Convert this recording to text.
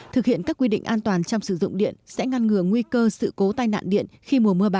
thực hiện các quy định an toàn trong sử dụng điện sẽ ngăn ngừa nguy cơ sự cố tai nạn điện khi mùa mưa bão đang đến gần